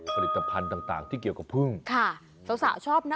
ผลิตภัณฑ์ต่างต่างที่เกี่ยวกับพึ่งค่ะสาวสาวชอบนะ